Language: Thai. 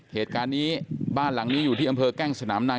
เหตุการณ์นี้บ้านหลังนี้อยู่ที่อำเภอแก้งสนามใน